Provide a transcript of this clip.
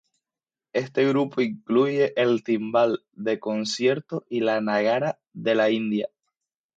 Este grupo incluye el timbal de concierto y el nagara de la India.